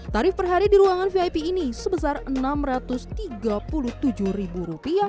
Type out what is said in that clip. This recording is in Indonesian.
tarif per hari di ruangan vip ini sebesar rp enam ratus tiga puluh tujuh